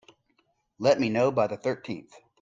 Let me know by the thirteenth.